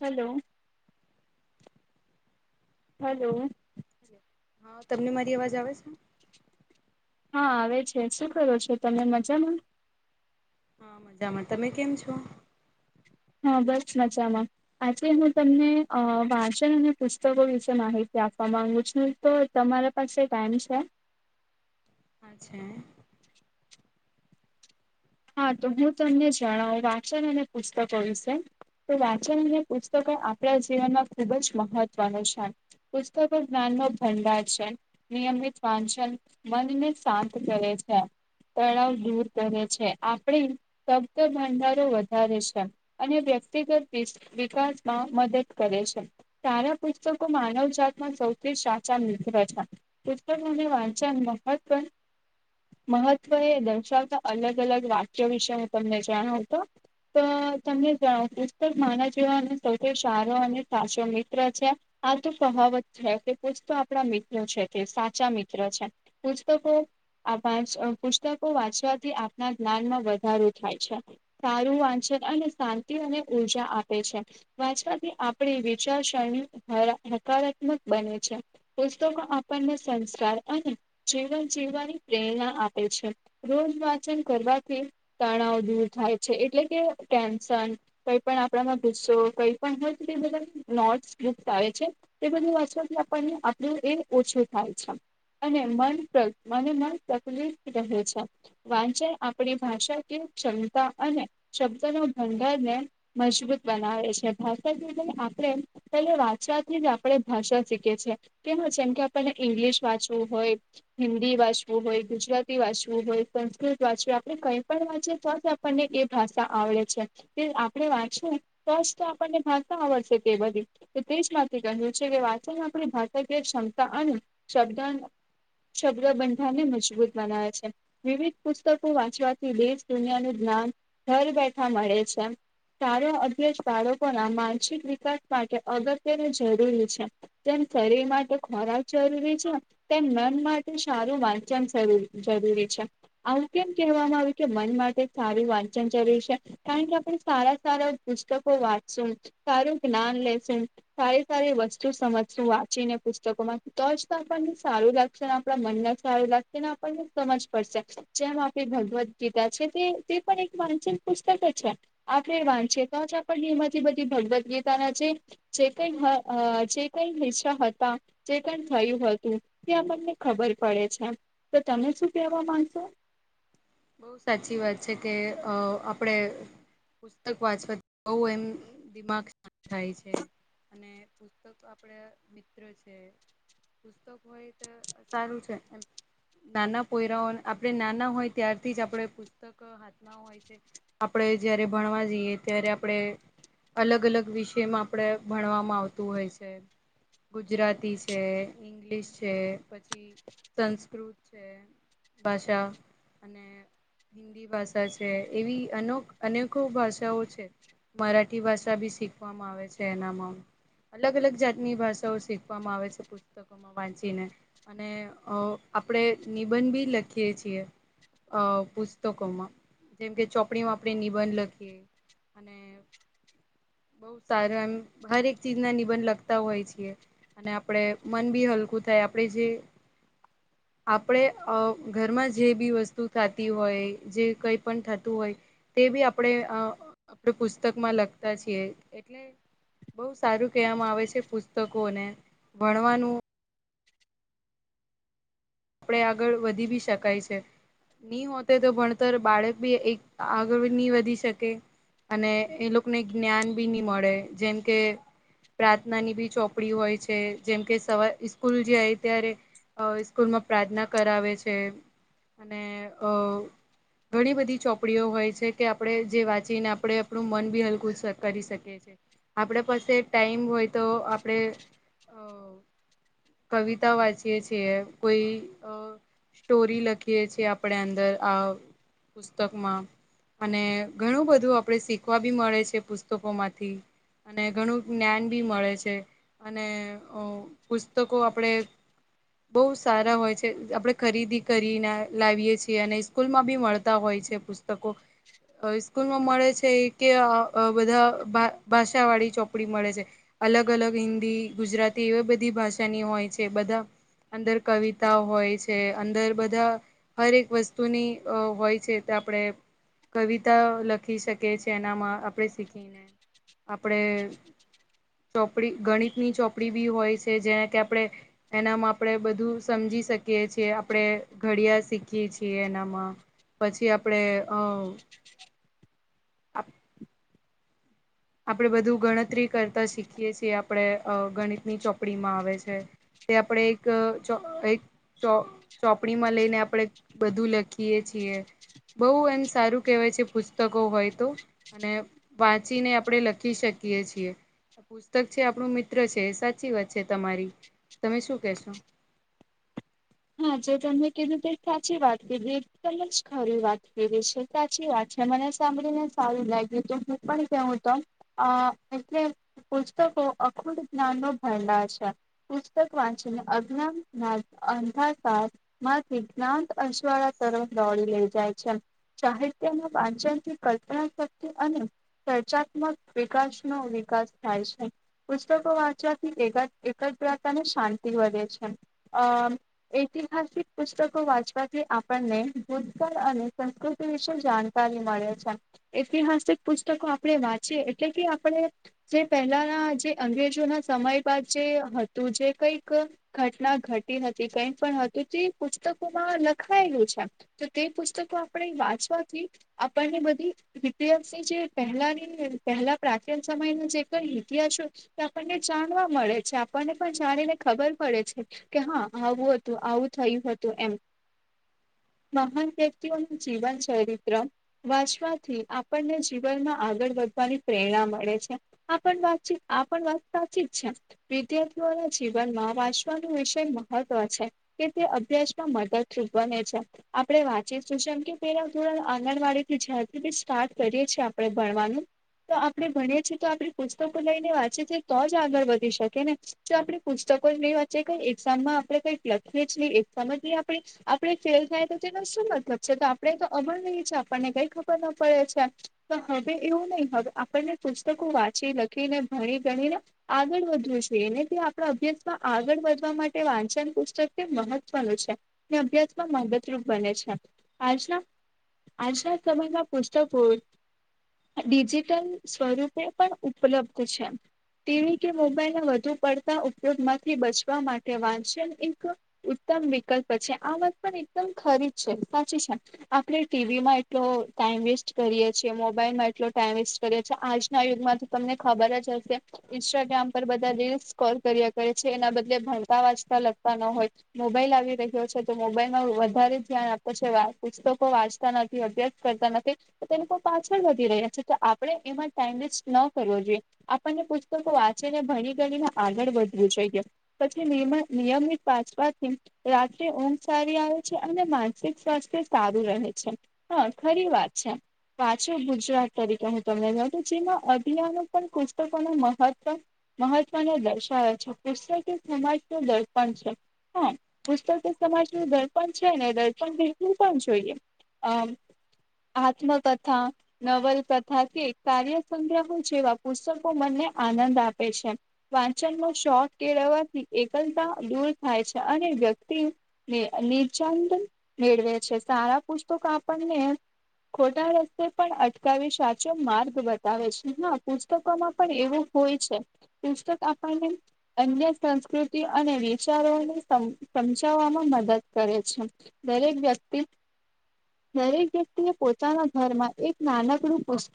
Hello. Hello. હા તમને મારી અવાજ આવે છે. હા આવે છે શું કરો છો તમમે મજામાં. હા મજામાં તમે કેમ છો. હા બસ મજામાં આજે હું તમને અ વાંચન અને પુસ્તકો વિશે માહિતી ક આપવા માંગુ છ તો તમારા પાસે ટાઈમ છે. અચ છેા. હા તો હું તમને જણાવું વાચન અને પુસ્તકો વિશે તો વાચન અને પુસ્તકો પણ આપણા જીવનમાં ખુબ જ મહત્વનું છે. પુસ્તકો જ્ઞાન ન ભંડચન નિયમિત વાંચન મનને શાંત કરે છે. તળાવ દૂર કરે છે. આપણી શબ્દ ભંડારો વધારે છે અને વ્યક્તિગત વિકાસમાં મદદ કરે છે તારા પુસ્તકો માનવ જાતમાં સૌથી સાચા મિત્ર છે. પુષ્પકોને વાંચન મહત્વ મહત્વ એ દર્શાવતા અલગ અલગ વાક્યો વિશે હું તમને જણાવ તો તો તમને જણાવ પુસ્તક માના જેવા સૌથી સારો અને સાચો મિત્ર છે આ તો કહાવત છે કે પૂછ તો આપણા મિત્ર છે સાચા મિત્ર છે પુતકો વા પુસ્તકો વાંચવાથી ના જ્ઞાનમાં વધારો થાય છે સારું વાંચન અને શાંતિ અને ઉર્જા આપે છે વાંચવાથી આપણી વિચારસરણી હકારાત્મક બને છે પુસ્તકો આપણને સંસ્કાર અને જીવન જીવવાની પ્રેરણા આપે છે રોજ કરવાથી તણાવ દૂર થાય છે એટલે કે ટેન્શન કઈ પણ આપણામાં કઈ પણ હોય બધા નોટસ બુક આવે છે તે બધું વાતથી આપણને આપણું એ ઓછું થાય છે અને મન મને મન પ્રફુલ્લિત રહે છે વાંચે આપણી ભાષા કે ક્ષમતા અને શબ્દ ન ભંડારને મજબૂત બનાવે છે ભાષાથીંદ આપણે પ વાંચવાથી જ આપણે ભાષા શીખે છી કે જેમ કે આપણને ઈંગ્લિશ વાંચવું હોય હિન્દી વાંચવું હોય ગુજરાતી વાંચવું હોય સંસ્કૃત વાંચવી આપણે કંઈ પણ વાંચીએ તો જ આપણને એ ભાષા આવડે છે તે આપણે વાંચી તો આપણને ભાષા આવડશે તે બધી તેજ માંથી કહ્યું છે કે વાચન આપણી ભાષા ક્ષમતા અને શબ્દ શબ્દબંધાને મજબૂત બનાવે છે વિવિધ પુસ્તકો વાંચવાથી દેશ દુનિયાનું જ્ઞાન ઘર બેઠા મળે છે સારો અભ્યાસ બાળકોના માનસિક વિકાસ માટે અગત્યની જરૂરી છે તેમ શરીર માટે ખોરાક જરૂરી છે તેમ મન માટે સારું વાંચન જરૂરી છે આવું કેમ કહેવામાં આવ્યું કે મન માટે સારું વાંચન જરૂરી છે કારણ કે આપડ સારા સારા પુસ્તકો વાંચસુ સારું જ્ઞાન લસુ સારી સારી વસ્તુ સમજશું વાંચીને પુસ્તકોમાંથી તો જ આપણને સારું લાગશે ને આપણા મનને સારું લાગશે ને આપણને સમજ પડશે જેમ આપણી ભગવદ્ ગીતા છે તે તે પણ એક વાંચિત પુસ્તક જ છે આપણે વાંચિત પણમાંથી બધી ભગવદ્ ગીતાના જે કઈ જે કઈ હિસ્સા હતા જે ક થયું હતું તે આપને ખબર પડે છે તો તમે શું કેવા માંગ તો બહુ સાચી વાત છે કે અ આપડે પુસ્તક વાંચવાથી બહ એમ દિમાગ શા થાય છે અને પુસ્તક આપડે મિત્ર છે પુસ્તક હોય તો સારું છે એમ નાના કોયરાઓ આપડે નાના હોય ત્યારથી જ આપણે પુસ્તક હાથમાં હોય છે આપણે જય્યારે ભણવા જઈએ ત્યારે આપણે અલગ અલગ વિષયમાં આપણેે ભણવામાં આવતું હોય છે ગુજરાતી છે ઈંગ્લિશ છે પછી સંસ્કૃત છે ભાષા અને હિન્દી ભાષા છે એવીનો અનેકો ભાષાઓ છે મરાઠી ભાષા બી શીખવામાં આવે છે એનામાં અલગ અલગ જાતની ભાષાઓ શીખવામાં આવે છે પુસ્તકોમાં વાંચીને અને આપણેે નિબંધ બી લખીએ છીએ અ પુસ્તકોમાં જેમ કે ચોપડીઓ આપણે નિબંધ લખીએ અનેને બઉ સારું એમ હરેક ચીજ ના નિબંધ લગતા હોય છેીએ અને આપણેે મન બી હલકું થાય આપણે જે આપડે ઘરમાં જે બી વસ્તુ થાતી હોય જે કઈ પણ થતું હોય તે બી આપણે આપ પુસ્તકમાં લગતા છીએ એટલે બહુ સારું કહેવામાં આવે છે પુસ્તકોને ભણવાનું આપણે આગળ વધી બી શકાય છે નહી હોતે તો ભણતર બાળક બી એક આગળ નહી વધી શકે અને એ લોકોને જ્ઞાન બી નહી મળે જેમ કે પ્રાર્થના ની બી ચોપડી હોય છે જેમકે સવા સ્કૂલ જાય ત્યારે સ્કૂલમાં પ્રાર્થના કરાવે છે અને અ ઘણી બધી ચોપડીઓ હોય છે કે આપણે જે વાંચીને આપણે આપણું મન બી હલકું સ કરી શકીએ છીએ આપણે પાસે ટાઈમ હોય તો આપણે અ કવિતા વાંચીએ છીએ કોઈ અ સ્ટોરી લખીએ છીએ આપણે અંદર આવ પુસ્તકમાં અને ઘણું બધું આપણે શીખવા બી મળે છે પુસ્તકો માંથી અને ઘણું જ્ઞાન ભી મળે છે અને અ પુસ્તકો આપણે બહુ સારા હોય છે આપણે ખરીદી કરીને લાવીએ છીએ અને સ્કૂલમાં બી મળતા હોય છે પુસ્તકો તકો હવે સ્કૂલ માં મળે છે કે અ અ બધા ભા ભાષા વાળી ચોપડી મળે છે અલગ અલગ હિન્દી ગુજરાતી એવી બધી ભાષાની હોય છે બધા અંદર કવિતા હોય છે અંદર બધા હરેક વસ્તુની અ હોય છે ત આપણે કવિતા લખી શકીએ છીએ એનામાં આપણે શીખીને આપણે ચોપડી ગણિતની ચોપડી બી હોય છે જેને કે આપણે એનામાં આપણે બધું સમજી શકીએ છીએ આપણે ઘડિયા શીખીએ છીએ એનામાં પછી આપણેે અ આપણેે બધું ગણતરી કરતા શીખીએ છીએ આપણે અ ગણિતની ચોપડીમાં આવે છે તે આપણે એક ચો એક ચો ચોપડી માં લઈને આપણે બધું લખીએ છીએ છીએ બઉ એમ સારું કહેવાય છે પુસ્તકો હોય તો અને વાંચીને આપણે લખી શકીએ છીએ પુસ્તક છે આપણું મિત્ર છે સાચી વાત છે તમારી તમે શું કેશો હા જે તમે કીધું તે સાચી વાત કીધી એકદમ જ ખરી વાત કીધી છે સાચી વાત મને સાંભળીને સારું લાગ્યું તું હું પણ કેવું તો અ એટલે પુસ્તક અખુટ જ્ઞાન નો ભંડાર છે પુસ્તક વાંચીને અજ્ઞાન ના [unintelligible] માંથી જ્ઞાન અજવાળા તરફ દોડી લઈ જાય છે સાહિત્યના વાચનથી કલ્પના શક્તિ અને ચર્ચાત્મક વિકાસ ન વિકાસ થાય છે પુસ્તકો વાંચવાથી એકા એકાગ્રતા અને શાંતિ વધે છે અ ઐતિહાસિક પુસ્તકો વાંચવાથી આપણને ભૂતકાળ અને સંસ્કૃતિ વિશે જાણતા જાણકારી મળે છે ઐતિહાસિક પુસ્તકો આપણે વાંચીએ એટલે કે આપણે જે પહેલાના જે અંગ્રેજો ના સમય બાદ જે હતું જે કઈક ઘટના ઘટી હતી કઈક પણ હતું તે પુસ્તકોમાં લખાયેલું છે તો તે પુસ્તકો આપણે વાંચવાથી આપણને બધી ઇતિહાસની જે પહેલાની પહેલા પ્રાચીન સમયનો જે કઈ ઇતિહાસ આપણને જાણવા મળે છે આપણને પણ જાણીને ખબર પડે છે કે હા આવું હતું તો આવું થયું હતું એમ મહાન વ્યક્તિઓનું જીવન ચરિત્ર વાંચવાથી આપણને જીવન માં આગળ વધ ફરી પ્રેરણા મળે છે આ પણ વાતચીત આ વાત સાચી છે વિદ્યાર્થીઓ ના જે જીવનમાં વાંચવાનું વિષય મહત્વ છે કે તે અભ્યાસમાં મદદરૂપ બને છે આપણે વાંચી શું કે પહેલા ધોરણ આંગણવાડી જ્યાંથી બી સ્ટાર્ટ કરીએ છીએ આપણે ભણવાનું તો આપણે ભણીએ છીએ તો આપણે પુસ્તકો લઈને વાંચીએ છીએ તો જ આગળ વધી શકે ને જો આપણે પુસ્તક લોકો એ વચે કે એક્ઝામ માં આપણે કઇંક લખી એ જ ન એક સમજ આપ આપણે ફેલ થાય તો તેનો શું મતલબ છે તો આપણે તો અભણ રહીએ છે આપણને ને કંઈક ખબર ના પડે છે પણ હવે એવું નહી હવે આપણને પુસ્તકો વાંચી લખીને ભણ ણી આગળ વધવું જોઈએને તે આપણા અભ્યાસમાં આગળ વધવા માટે વાંચન પુસ્તક મહત્વનું છે અભ્યાસમાં મદદરૂપ બને છે આજના આશા સમાના પુષ્કો ડિજિટલ સ્વરૂપે પણ ઉપલબ્ધ છે ટીવી કે મોબાઈલ ના વધુ પડતા ઉપયોગમાંથી બચવા માટે વાંચન એક ઉત્તમ વિકલ્પ છે આ વત પણ એકદમ ખરી જ છે સાચી છે આપણે ટીવીમાં એટલો ટાઈમ વેસ્ટ કરીએ છીએ મોબાઈલમાં એટલો ટાઈમ વેસ્ટ કરીએ છીએ આજના યુગમાં તો તમને ખબર જ ઇન્સ્ટાગ્રામ પર બધા રીલ્સ સ્કોર કર્યા કરે છે એના બદલે ભણતા વાંચતા લગતા ન હોય મોબાઈલ આવી રહ્યો છે તો મોબાઈલમાં વધારે ધ્યાન આપે છે પુસ્તકો વાંચતા નથી અભ્યાસ નથી પાછળ વધી રહ્યા છે આપણે એ ટાઈમ વેસ્ટ ન કરવો જોઈએ પુસ્તકો વાંચીને ભણી કરીને આગળ વધવું જોઈએ પછી નિયમિત પાછ થી રાત્રે ઊંઘ સારી આવે છે અને માનસિક સ્વાસ્થ્ય સારું રહે છે હા ખરી વાત છે પાછું ગુજરાત તરીકે હું તમને કઉં જેમાં અભિયાનો પણ પુસ્તકો ન મહત્વ મહત્વને દર્શાવો છે પુસ્તક સમાજ ન દર્પણ છે હા પુસ્ત સમાજ ન દર્પણ છે ને દર્પણ બિલકુલ પણ જોઈએ હ આત્મકથા નવલકથા કે કાર્યસંગ્રામો જેવા પુસ્તકો મને આનંદ આપે છે વાંચન નો શોખ કેળવવાથી એકલતા દૂર થાય છે અને વ્યક્તિ નિચંદ મેળવે છે સારા પુસ્તકો આપણને ખોટા રસ્તે પણ અટકાવી સાચો માર્ગ બતાવે છે હા પુસ્તકોમાં પણ એવું હોય છે પુસ્તક આપણને અન્ય સંસ્કૃતિ અને વિચારોની સમજાવવામાં મદદ કરે છે દરેક વ્યક્તિ દરેક વ્યક્તિ એ પોતાના ઘરમાં એક નાનકડું પસ્ત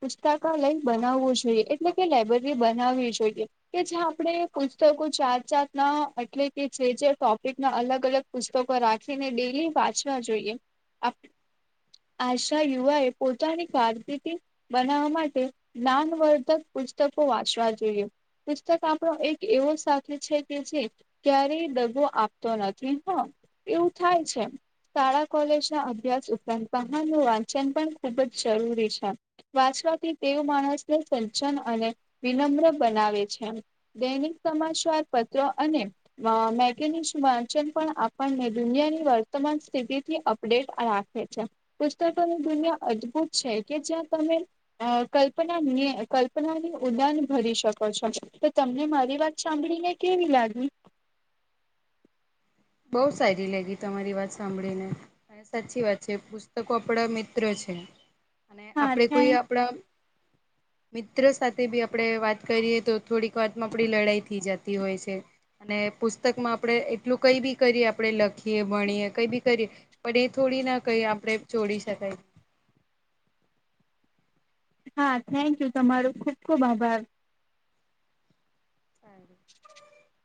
પુસ્તકાલય બન બ જોએ એટલે કે લાયબ્રેરી બનાવવી જોઈએ કે જ્યાં આપણે પુસ્તકો ચત સાત ના એટલે કે જે જે ટોપિક ના અલગ અલગ પુસ્તકો રાખીને ડેલી વાંચવા જોઈએ અફ આશા યુવા એ પોતાની કારકિર્દી બનાવવા માટે નાનવર્ધક પુસ્તકો વાંચવા જોઈએ પુસ્તક આપણો એક એવો સા છે કે જે ક્યારે દગો આપતો નથી હ એવું થાય છે શાળા કોલેજ ના અભ્યાસ ઉપરાંત વાહનનું વાંચન પણ ખુબ જ જરૂરી છે તે માણસને સચન અને વિનમ્ર બનાવે છે દૈનિક સમાજ વિશ્વાસ પત્ર અને મેગનચન પણ આપણને દુનિયાની વર્તમાન સ્થિતિ થી અપડેટ રાખે પુસ્તકોની દુનિયા અદભુત છે કે જ્યાં તમે કલ્પના કલ્પના ની ઉદાન ભરી શકો છો તો તમને મારી વાત સાંભળીને કેવી લાગી બહુ સારી લાગી તમારી વાત સાંભળીને અને સાચી વાત છે, પુસ્તકો આપડા મિત્ર છે, અને હા આપણેે કોઈ થેન્ક આપણા [inaudible] મિત્રો સાથે બી આપણે વાત કરીએ તો થોડીક વાતમાં આપડી લડાઈ થઈ જતી હોય છે. અને પુસ્તક માં આપડે એટલુંક કઈ બી કરીએ આપણે લખીએ ભણીએ કઈ બી કરીએ પણ એ થોડી ના કઈ આપણે જોડી શકાય હા થેન્ક યુ તમારું ખુબ ખુબ આભાર. [inaudible]